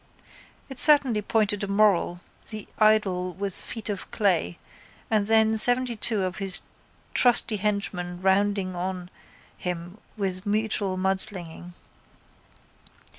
It certainly pointed a moral, the idol with feet of clay, and then seventytwo of his trusty henchmen rounding on him with mutual mudslinging.